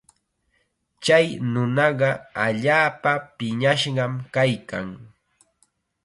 Chay nunaqa allaapa piñashqam kaykan.